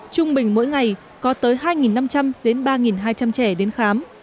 trung bình mỗi ngày có tới hai năm trăm linh đến ba hai trăm linh trẻ đến khám